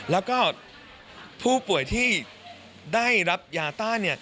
แล้วก็ผู้ป่วยที่ได้รับยาต้าน